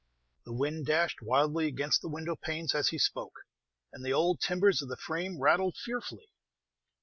The wind dashed wildly against the window panes as he spoke, and the old timbers of the frame rattled fearfully.